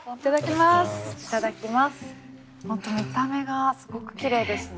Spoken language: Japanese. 本当見た目がすごくきれいですね。